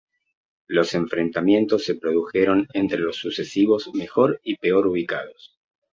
Los enfrentamientos se produjeron entre los sucesivos mejor y peor ubicados.